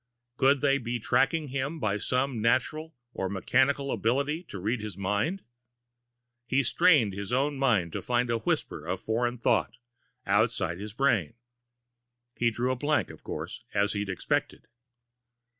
Could they be tracking him by some natural or mechanical ability to read his mind? He strained his own mind to find a whisper of foreign thought, outside his brain. He drew a blank, of course, as he'd expected.